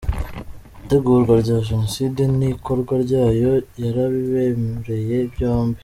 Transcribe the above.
Itegurwa rwa Genocide n’ikorwa ryayo yarabirebereye byombi.